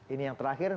ini yang terakhir